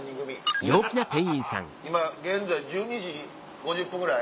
今現在１２時５０分ぐらい？